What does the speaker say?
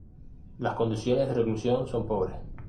Las condiciones de reclusión son pobres.